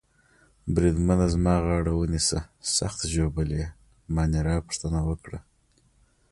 بریدمنه زما غاړه ونیسه، سخت ژوبل يې؟ مانیرا پوښتنه وکړه.